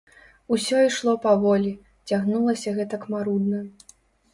Усё ішло паволі, цягнулася гэтак марудна!